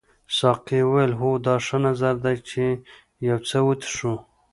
ساقي وویل هو دا ډېر ښه نظر دی چې یو څه وڅښو.